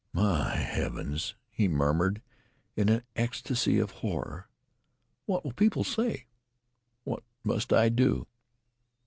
"My heavens!" he murmured, in an ecstasy of horror. "What will people say? What must I do?"